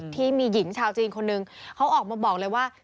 ที่มีหญิงชาวจีนคนหนึ่งเขาออกมาบอกเลยว่า